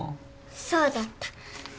そうだった。